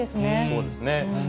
そうですね。